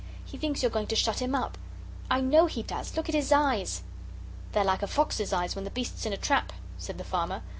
He thinks you're going to shut him up. I know he does look at his eyes!" "They're like a fox's eyes when the beast's in a trap," said the farmer.